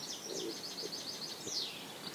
এর জন্য ঈশ্বরকে অনেক ধন্যবাদ।